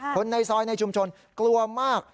คนในซอยในชุมชนกลัวมาก